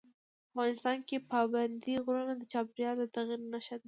افغانستان کې پابندی غرونه د چاپېریال د تغیر نښه ده.